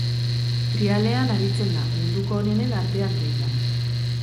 Trialean aritzen da, munduko onenen artean lehian.